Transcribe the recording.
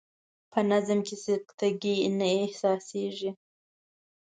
په نظم کې سکته ګي نه احساسیږي.